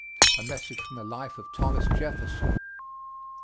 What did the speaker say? A message from the life of Thomas Jefferson.